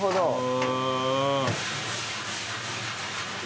へえ。